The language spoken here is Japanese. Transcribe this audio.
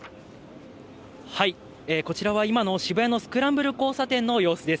こちらは今の渋谷のスクランブル交差点の様子です。